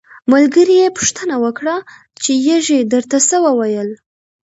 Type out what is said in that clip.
ملګري یې پوښتنه وکړه چې یږې درته څه وویل.